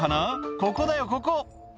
「ここだよここ」